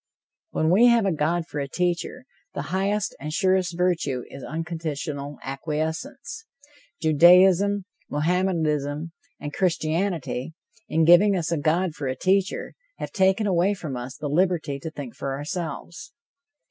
When we have a God for a teacher, the highest and surest virtue is unconditional acquiescence. Judaism, Mohammedanism and Christianity, in giving us a God for a teacher, have taken away from us the liberty to think for ourselves.